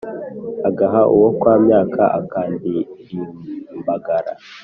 agaha uwó kwa myák akandir imbágara